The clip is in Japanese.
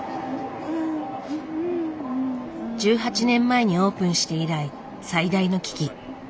１８年前にオープンして以来最大の危機。